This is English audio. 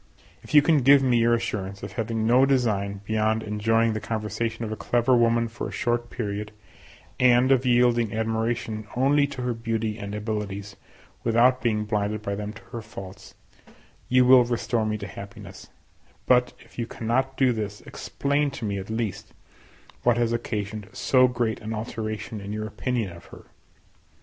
If you can give me your assurance of having no design beyond enjoying the conversation of a clever woman for a short period, and of yielding admiration only to her beauty and abilities, without being blinded by them to her faults, you will restore me to happiness; but, if you cannot do this, explain to me, at least, what has occasioned so great an alteration in your opinion of her.